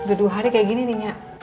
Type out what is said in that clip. udah dua hari kayak gini nih nia